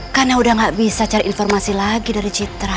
karena udah gak bisa cari informasi lagi dari citra